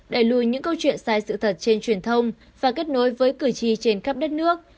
đẩy lùi những câu chuyện sai sự thật trên truyền thông và kết nối với cử tri trên khắp đất nước